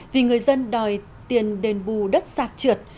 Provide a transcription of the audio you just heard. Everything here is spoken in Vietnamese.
vì người dân đòi tiền đền bù đất sạt trượt